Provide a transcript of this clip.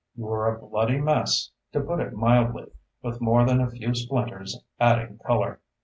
You were a bloody mess, to put it mildly, with more than a few splinters adding color.